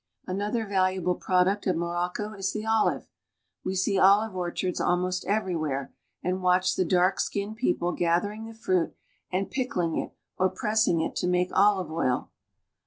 Another valuable product of Morocco is the olive. We see olive orchards almost everywhere, and watch the dark skinned people gathering the fruit and pickling it or press i jng it to make olive oil.